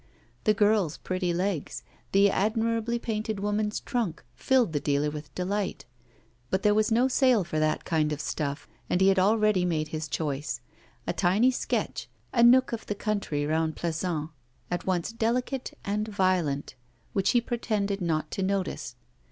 The girl's pretty legs, the admirably painted woman's trunk, filled the dealer with delight. But there was no sale for that kind of stuff, and he had already made his choice a tiny sketch, a nook of the country round Plassans, at once delicate and violent which he pretended not to notice.